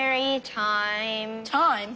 タイム？